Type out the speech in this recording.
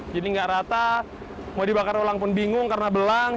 jadi nggak rata mau dibakar ulang pun bingung karena belang